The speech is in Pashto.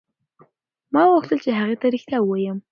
ما غوښتل چې هغې ته رښتیا ووایم.